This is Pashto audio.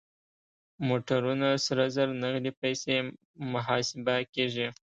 موټرونه سره زر نغدې پيسې محاسبه کېږي.